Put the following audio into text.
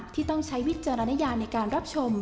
ต้องใช้วิจารณญาในการรับชม